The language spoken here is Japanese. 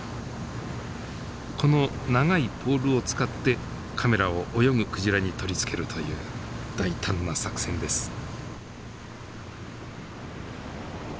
この長いポールを使ってカメラを泳ぐクジラに取り付けるという大胆な作戦です。